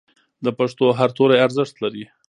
د پښتو هر توری ارزښت لري.